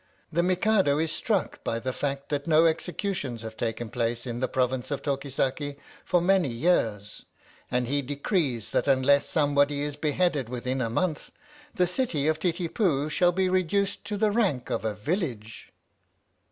" The Mikado is struck by the fact that no executions have taken place in the province of Toki Saki for many years, and he decrees that unless somebody is beheaded within a month, the city of Titipu shall be reduced to the rank of a village